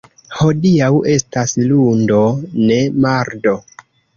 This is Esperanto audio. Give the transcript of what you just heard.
Hodiaŭ estas lundo, ne, mardo.